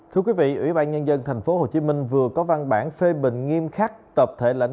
thưa quý vị ủy ban nhân dân thành phố hồ chí minh vừa có văn bản phê bình nghiêm khắc tập thể lãnh